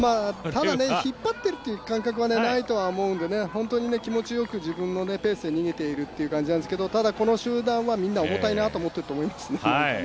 ただ引っ張っている感覚はないと思うので本当に気持ちよく、自分のペースで逃げているという感じなんですけれどもただ、この集団はみんな重たいなと思っていると思います。